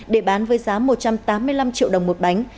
để bán với giá một trăm tám mươi năm triệu đồng một bánh